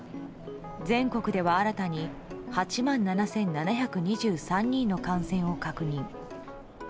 全国では新たに８万７７２３人の感染を確認。